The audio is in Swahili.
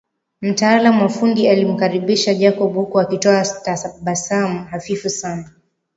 Mtaalam wa ufundi alimkaribisha Jacob huku akitoa tabasamu hafifu sana